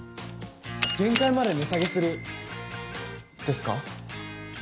限界まで値下げするですか？